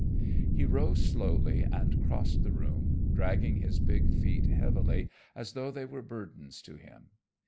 He rose slowly and crossed the room, dragging his big feet heavily as though they were burdens to him.